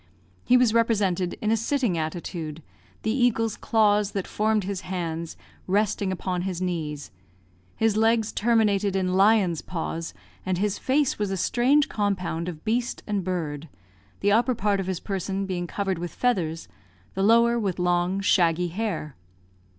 He was represented in a sitting attitude, the eagle's claws, that formed his hands, resting upon his knees; his legs terminated in lion's paws; and his face was a strange compound of beast and bird the upper part of his person being covered with feathers, the lower with long, shaggy hair.